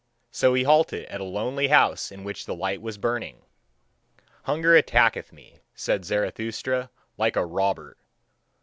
So he halted at a lonely house in which a light was burning. "Hunger attacketh me," said Zarathustra, "like a robber.